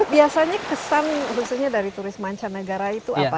biasanya kesan khususnya dari turis mancanegara itu apa